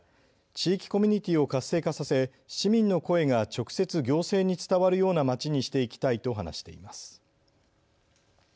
地域コミュニティーを活性化させ市民の声が直接、行政に伝わるような街にしていきたいと話しています。